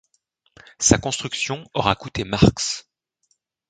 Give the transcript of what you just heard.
Sa construction aura coûté marks.